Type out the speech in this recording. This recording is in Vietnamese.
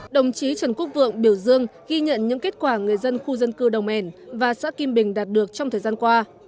đồng chí trần quốc vượng biểu dương ghi nhận những kết quả người dân khu dân cư đồng mèn và xã kim bình đạt được trong thời gian qua